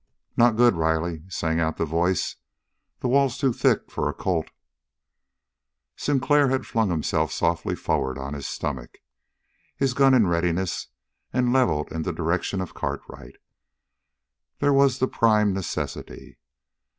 "No good, Riley," sang out the voice. "This wall's too thick for a Colt." Sinclair had flung himself softly forward on his stomach, his gun in readiness and leveled in the direction of Cartwright. There was the prime necessity.